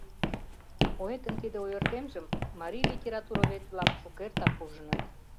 Поэтын тиде ойыртемжым марий литературовед-влак шукертак ужыныт.